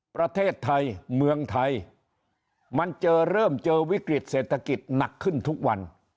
ประเทศไทยเมืองไทยมันเจอเริ่มเจอวิกฤตเศรษฐกิจหนักขึ้นทุกวัน